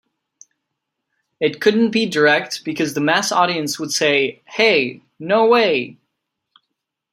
It couldn't be direct because the mass audience would say, Hey, no way.